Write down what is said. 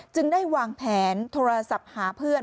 จึงได้วางแผนโทรศัพท์หาเพื่อน